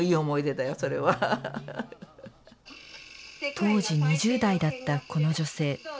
当時２０代だったこの女性。